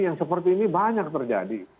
yang seperti ini banyak terjadi